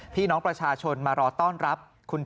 พี่น้องประชาชนมารอต้อนรับคุณ